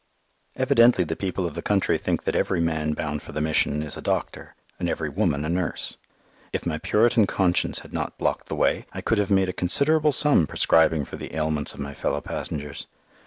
Evidently the people of the country think that every man bound for the Mission is a doctor, and every woman a nurse. If my Puritan conscience had not blocked the way, I could have made a considerable sum prescribing for the ailments of my fellow passengers.